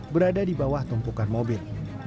berada di bawah tumpukan mobil